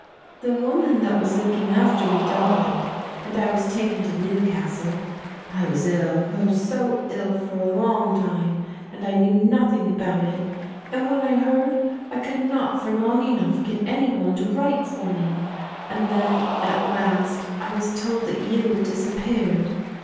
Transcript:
"The woman that was looking after me died, and I was taken to Newcastle. I was ill, oh, so ill for a long time and I knew nothing about it, and when I heard, I could not for long enough get any one to write for me and then, at last, I was told that you had disappeared.